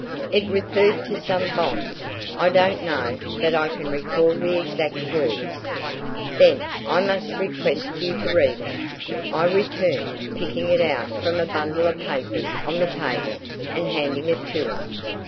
"It referred to some bonds; I don't know that I can recall the exact words." "Then I must request you to read it," I returned, picking it out from a bundle of papers on the table and handing it to him.